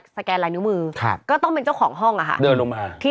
แกนลายนิ้วมือครับก็ต้องเป็นเจ้าของห้องอ่ะค่ะเดินลงมาที่